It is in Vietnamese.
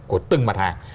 của từng mặt hàng